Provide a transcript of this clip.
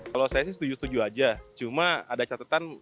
kalau saya sih setuju setuju aja cuma ada catatan